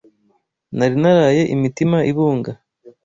Nari naraye imitima ibunga